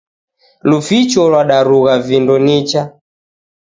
Luficho lwadarugha vindo nicha.